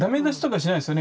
しないですね。